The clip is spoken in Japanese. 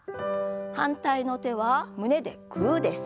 反対の手は胸でグーです。